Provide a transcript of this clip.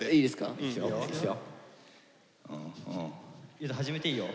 優斗始めていいよ。